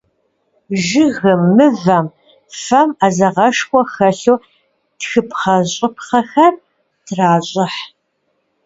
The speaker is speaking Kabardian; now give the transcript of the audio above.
Жыгым, мывэм, фэм Ӏэзагъэшхуэ хэлъу тхыпхъэщӀыпхъэхэр тращӀыхь.